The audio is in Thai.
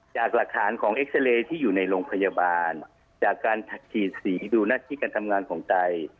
จากหลักฐานของเอ็กซาเรย์ที่อยู่ในโรงพยาบาลจากการฉีดสีดูหน้าที่การทำงานของไต